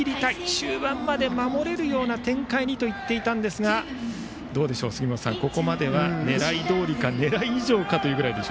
終盤まで守れるような展開にと言っていたのですがどうでしょう、ここまでは狙いどおりか狙い以上か。